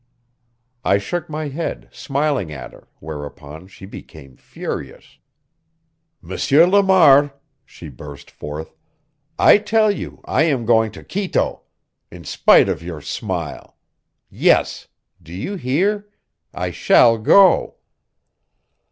I shook my head, smiling at her, whereupon she became furious. "M. Lamar," she burst forth, "I tell you I am going to Quito! In spite of your smile! Yes! Do you hear? I shall go!"